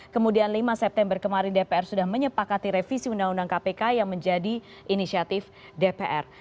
kemudian lima september kemarin dpr sudah menyepakati revisi undang undang kpk yang menjadi inisiatif dpr